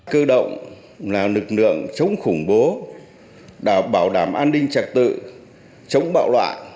cơ động là lực lượng chống khủng bố bảo đảm an ninh trạc tự chống bạo loại